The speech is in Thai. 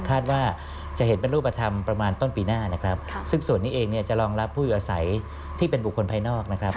คาดว่าจะเห็นเป็นรูปธรรมประมาณต้นปีหน้านะครับซึ่งส่วนนี้เองเนี่ยจะรองรับผู้อยู่อาศัยที่เป็นบุคคลภายนอกนะครับ